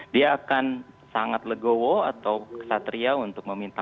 dia akan sangat legowo atau kesatria untuk meminta